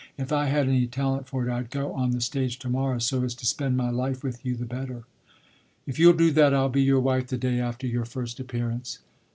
If I had any talent for it I'd go on the stage to morrow, so as to spend my life with you the better." "If you'll do that I'll be your wife the day after your first appearance.